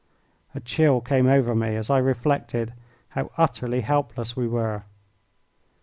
A chill came over me as I reflected how utterly helpless we were.